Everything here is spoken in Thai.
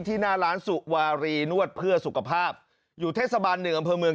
หน้าร้านสุวารีนวดเพื่อสุขภาพอยู่เทศบาลหนึ่งอำเภอเมือง